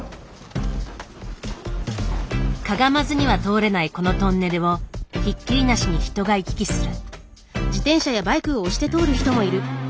かがまずには通れないこのトンネルをひっきりなしに人が行き来する。